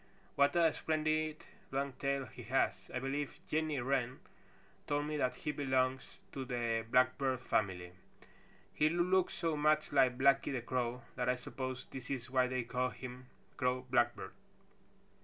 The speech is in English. "What a splendid long tail he has. I believe Jenny Wren told me that he belongs to the Blackbird family. He looks so much like Blacky the Crow that I suppose this is why they call him Crow Blackbird."